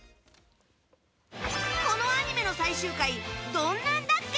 このアニメの最終回どんなんだっけ？